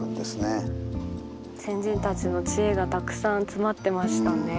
先人たちの知恵がたくさん詰まってましたね。